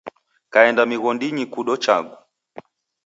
Kaenda mighondinyi kudo changu.